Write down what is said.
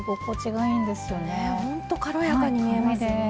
ほんと軽やかに見えますよね。